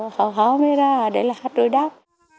và họ mới ra để là hát đối đáp